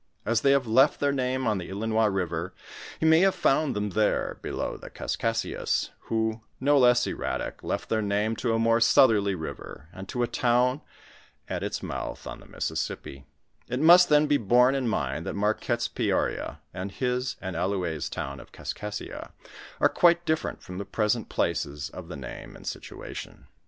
As they have left their name on the Ilinois river, ho may have found them there, below the Kaskaskias who, no less erratic, left their name to a more southerly river, and to a town at its mouth, on the MississippL It must then be borne in mind that Marquette's Peoria, arJ his and AUoues' town of Kaskaskia are quite different from the present places of the name in situation.